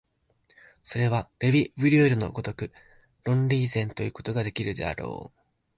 それはレヴィ・ブリュールの如く論理以前ということができるであろう。